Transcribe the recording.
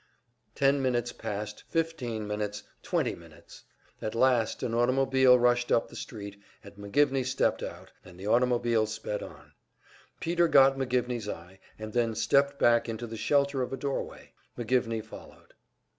Ten minutes passed, fifteen minutes, twenty minutes. At last an automobile rushed up the street, and McGivney stepped out, and the automobile sped on. Peter got McGivney's eye, and then stepped back into the shelter of a doorway. McGivney followed.